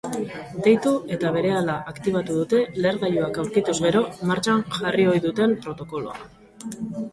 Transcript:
Deitu eta berehala aktibatu dute lehergailuak aurkituz gero martxan jarri ohi duten protokoloa.